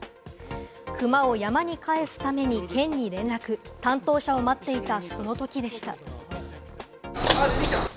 クマを山に返すために県に連絡、担当者を待っていたその時でした。